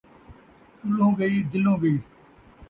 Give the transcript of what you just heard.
چُلھوں ڳئی، دِلوں ڳئی